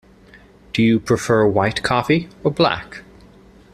Do you prefer white coffee, or black?